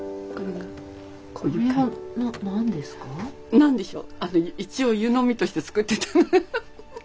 何でしょう？